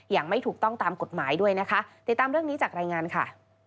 ไม่ถูกต้องตามกฎหมายด้วยนะคะติดตามเรื่องนี้จากรายงานค่ะ